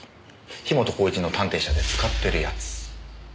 樋本晃一の探偵社で使ってるやつ。